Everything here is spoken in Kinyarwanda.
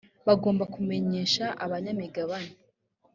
bagomba kumenyesha abanyamigabane